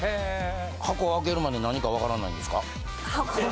箱を開けるまで何か分からないんですか？